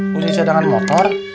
kunci cadangan motor